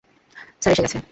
Sir এসে গেছে।